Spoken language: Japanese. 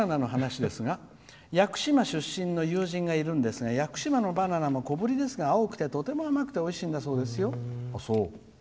「屋久島出身の友人がいるんですがいるんですが屋久島のバナナも小ぶりですが青くて、とても甘くておいしいんだそうですよ。